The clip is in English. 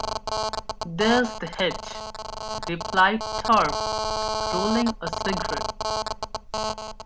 There's the hitch, replied Thorpe, rolling a cigarette.